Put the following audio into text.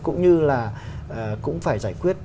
cũng như là cũng phải giải quyết